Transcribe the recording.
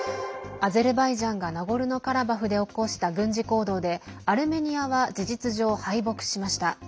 アゼルバイジャンがナゴルノカラバフで起こした軍事行動でアルメニアは事実上、敗北しました。